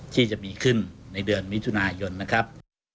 ที่จะมีขึ้นในเดือนมิถุนายนนะครับ